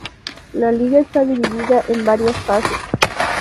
La Liga está dividida en varias fases.